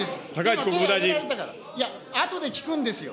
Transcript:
あとで聞くんですよ。